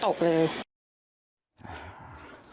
ไม่คิดเลยค่ะไม่คิดว่าจะตกเลย